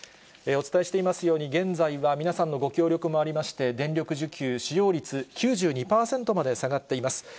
お伝えしていますように、現在は皆さんのご協力もありまして、電力需給使用率９２％まで下がっています。